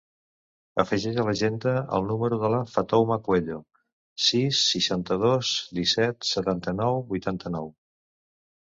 Afegeix a l'agenda el número de la Fatoumata Cuello: sis, seixanta-dos, disset, setanta-nou, vuitanta-nou.